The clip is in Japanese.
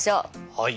はい。